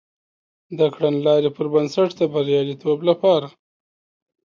د کړنلاري پر بنسټ د بریالیتوب لپاره